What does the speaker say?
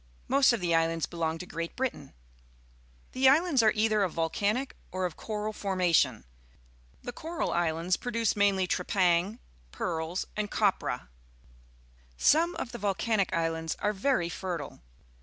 Most of the islands belong to Great Britain. The islands are either of volcanic or of coral formation. Tlic cdml islands Natives of the Solomon Islands producing Fire mainly trepang, pearls, and copra. Some of the volcanic islands are very fertile.